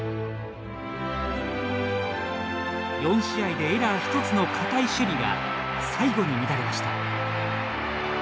４試合でエラー１つの堅い守備が、最後に乱れました。